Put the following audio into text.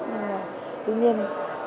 nhưng mà tuy nhiên